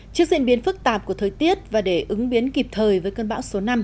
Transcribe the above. trước diễn biến phức tạp của thời tiết và để ứng biến kịp thời với cơn bão số năm